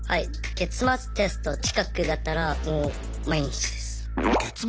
月末テスト近くだったらもう毎日です。